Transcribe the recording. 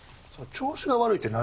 調子が悪いって？